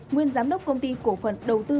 nguyên giám đốc công ty cổ phận đầu tư